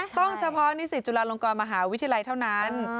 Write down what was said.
เฉพาะนิสิตจุฬาลงกรมหาวิทยาลัยเท่านั้น